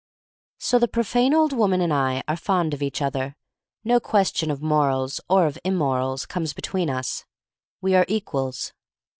So the profane old woman and I are fond of each other. No question of morals, or of imm orals, comes between us. We are equals.